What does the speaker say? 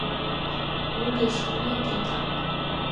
ნუ გეშინია, დედა!